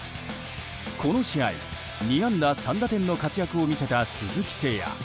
この試合、２安打３打点の活躍を見せた鈴木誠也。